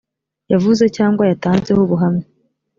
yavuze cyangwa yatanzeho ubuhamya